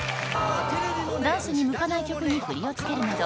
ダンスに向かない曲に振りを付けるなど